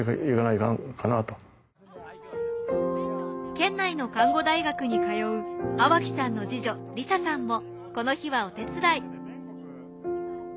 県内の看護大学に通う粟木さんの次女利咲さんもこの日はお手伝い。